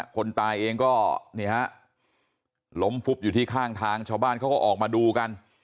คนตายเองก็นี่ฮะล้มฟุบอยู่ที่ข้างทางชาวบ้านเขาก็ออกมาดูกัน